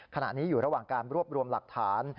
ขณะนี้อยู่ระหว่างการรวบรวมหลักฐาน